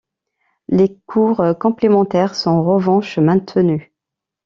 Les cours complémentaires sont en revanche maintenus.